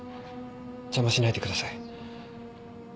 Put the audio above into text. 邪魔しないでください。